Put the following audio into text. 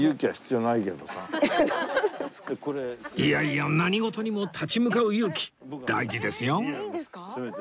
いやいや何事にも立ち向かう勇気大事ですよ